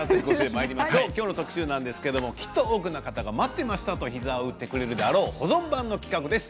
きょうは特集はきっと多くの方が待ってましたと膝を打ってくれるであろう保存版の企画です。